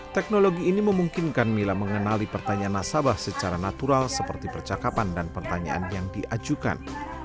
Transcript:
teknologi ini memungkinkan mila mengenali pertanyaan nasabah secara natural seperti percakapan dan pertanyaan yang diajukan